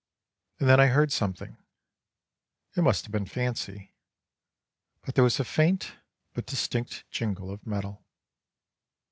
And then I heard something, it must have been fancy, but there was a faint but distinct jingle of metal.